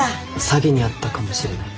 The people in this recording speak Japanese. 詐欺に遭ったかもしれない。